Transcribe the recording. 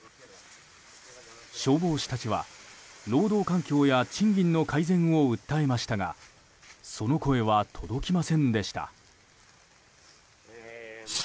消防士たちは労働環境や賃金の改善を訴えましたがその声は届きませんでした。